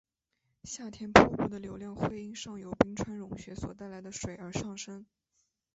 夏天瀑布的流量会因上游冰川融雪所带来的水而上升。